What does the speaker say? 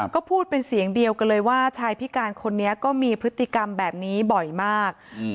ก็พูดเป็นเสียงเดียวกันเลยว่าชายพิการคนนี้ก็มีพฤติกรรมแบบนี้บ่อยมาก